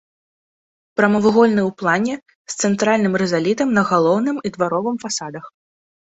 Прамавугольны ў плане, з цэнтральным рызалітам на галоўным і дваровым фасадах.